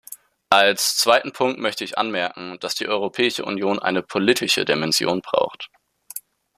Als zweiten Punkt möchte ich anmerken, dass die Europäische Union eine politische Dimension braucht.